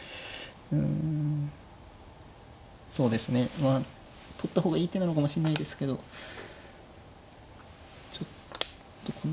まあ取った方がいい手なのかもしんないですけどちょっとこの。